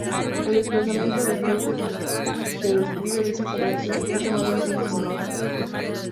El desplazamiento de Stokes, que describe dicha conversión, es llamado así en su honor.